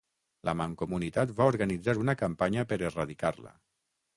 La Mancomunitat va organitzar una campanya per erradicar-la.